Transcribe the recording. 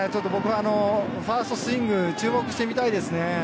僕はファーストスイングに注目してみたいですね。